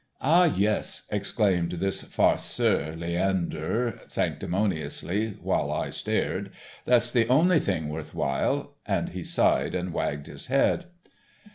"Ah, yes," exclaimed this farceur Leander, sanctimoniously, while I stared, "that's the only thing worth while," and he sighed and wagged his head.